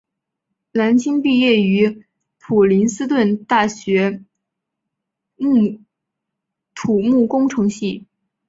蓝钦毕业于普林斯顿大学土木工程系。